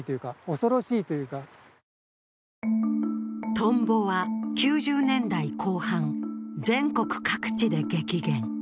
トンボは９０年代後半、全国各地で激減。